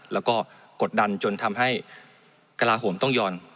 แล้วก็กดดันจนทำให้กระลาโหมต้องยอม